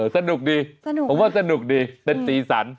สนุกดีผมว่าสนุกดีเป็นตีสรร